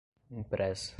impressa